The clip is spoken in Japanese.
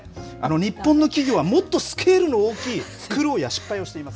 日本の企業はもっとスケールの大きい苦労や失敗をしています。